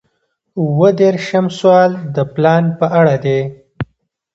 اووه دېرشم سوال د پلان په اړه دی.